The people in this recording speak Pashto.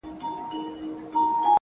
اوښکي نه راتویومه خو ژړا کړم،